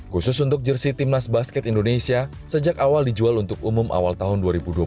khusus untuk jersi timnas basket indonesia sejak awal dijual untuk umum awal tahun dua ribu dua puluh satu